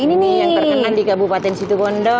ini yang terkenal di kabupaten situbondo